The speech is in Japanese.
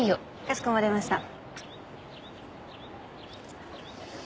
かしこまりました。